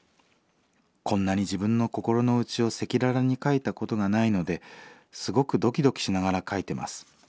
こんなに自分の心の内を赤裸々に書いたことがないのですごくドキドキしながら書いてます。